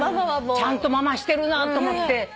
ちゃんとママしてるなと思って。